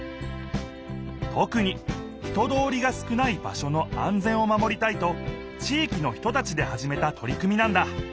とくに人通りが少ない場所の安全を守りたいと地域の人たちではじめたとり組みなんだ。